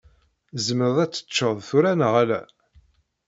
Tzemreḍ ad teččeḍ tura neɣ ala?